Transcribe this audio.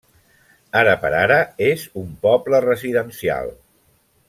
Ara per ara és un poble residencial.